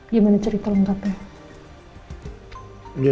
gimana cerita lengkapnya